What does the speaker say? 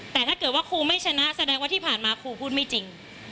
แต่ถ้าเกิดว่าครูไม่ชนะแสดงว่าที่ผ่านมาครูพูดไม่จริง